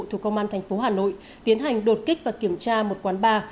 thuộc công an thành phố hà nội tiến hành đột kích và kiểm tra một quán bar